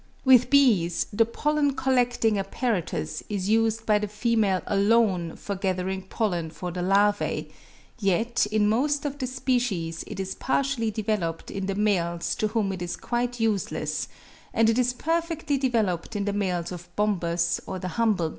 With bees the pollen collecting apparatus is used by the female alone for gathering pollen for the larvae, yet in most of the species it is partially developed in the males to whom it is quite useless, and it is perfectly developed in the males of Bombus or the humble bee.